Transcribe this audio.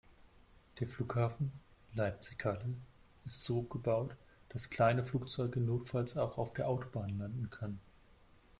Der Flughafen Leipzig/Halle ist so gebaut, dass kleine Flugzeuge notfalls auch auf der Autobahn landen könnten.